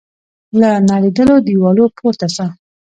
له نړېدلو دیوالو پورته سه